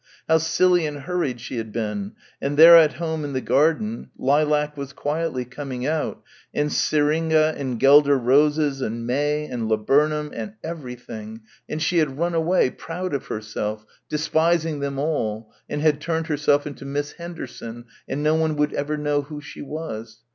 ... how silly and hurried she had been, and there at home in the garden lilac was quietly coming out and syringa and guelder roses and May and laburnum and ... everything ... and she had run away, proud of herself, despising them all, and had turned herself into Miss Henderson, ... and no one would ever know who she was....